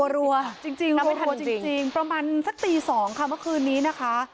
รัวจริงรัวไม่ทันจริงประมาณสักตี๒ค่ะเมื่อคืนนี้นะคะ